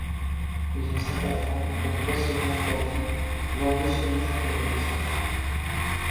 Ils ont cinq enfants, dont trois seulement survivent, l'un d'eux seulement jusqu'à l’adolescence.